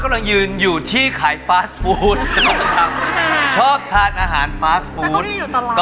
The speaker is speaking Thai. ก็ได้เค้าก็พูดถึง